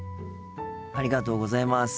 ありがとうございます。